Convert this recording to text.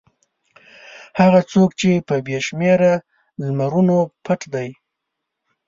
هغه څوک چې په بې شمېره لمرونو پټ دی.